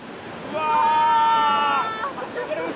うわ！